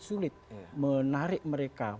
sulit menarik mereka